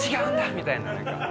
みたいななんか。